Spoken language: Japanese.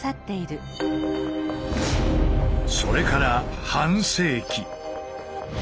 それから半世紀。